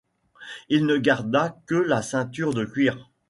Il ne garda que la ceinture de cuir.